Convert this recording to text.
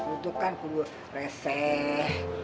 itu kan perlu reseh